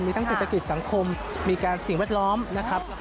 มีทั้งเศรษฐกิจสังคมมีการสิ่งแวดล้อมนะครับ